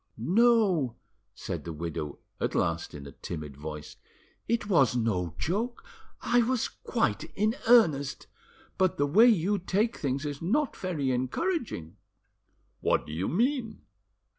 "No," said the widow at last in a timid voice, "it was no joke; I was quite in earnest. But the way you take things is not very encouraging." "What do you mean?"